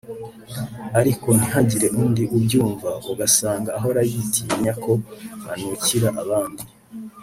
ariko ntihagire undi ubyumva ugasanga ahora yitinya ko anukira abandi